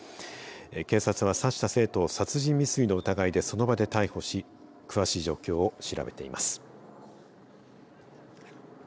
警察は刺した生徒を殺人未遂の疑いでその場で逮捕し詳しい状況を調べています。